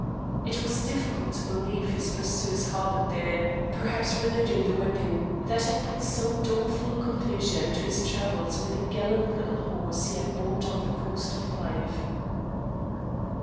It was difficult to believe his pursuers harboured there, perhaps reloading the weapon that had put so doleful a conclusion to his travels with the gallant little horse he had bought on the coast of Fife.